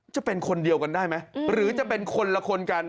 จะเป็นคนเดียวกันได้ไหมหรือจะเป็นคนละคนกัน